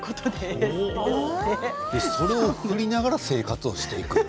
それを振りながら生活をする。